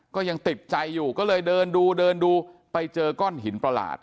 ก็ยังติดใจอยู่ก็เลยเดินดูเดินดูไปเจอก้อนหินประหลาด